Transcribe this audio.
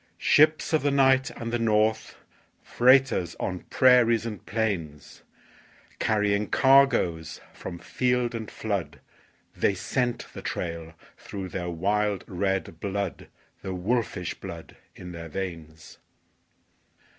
Ships of the night and the north, Freighters on prairies and plains, Carrying cargoes from field and flood They scent the trail through their wild red blood, The wolfish blood in their veins.